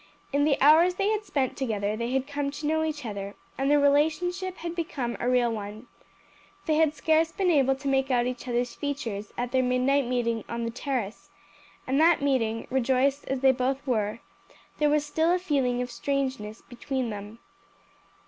In the hours they had spent together they had come to know each other, and the relationship had become a real one. They had scarce been able to make out each other's features at their midnight meeting on the terrace, and at that meeting, rejoiced as they both were, there was still a feeling of strangeness between them.